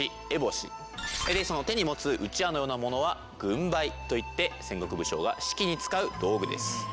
手に持つ団扇のようなものは軍配といって戦国武将が指揮に使う道具です。